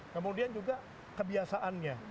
kemudian juga kebiasaannya